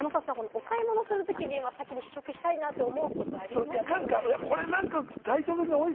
お買い物をするときに先に試食したいなと思うことありますよね？